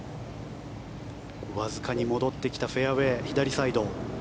わずかに戻ってきたフェアウェー左サイド。